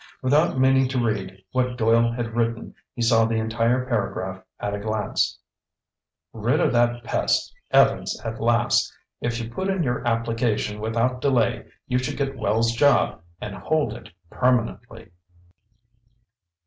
Without meaning to read what Doyle had written, he saw the entire paragraph at a glance: "... rid of that pest, Evans at last. If you put in your application without delay, you should get Wells' job, and hold it permanently."